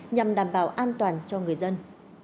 nhằm đảm bảo an toàn cho người dân